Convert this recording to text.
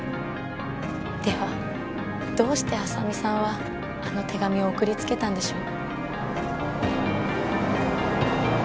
ではどうして浅海さんはあの手紙を送りつけたんでしょう？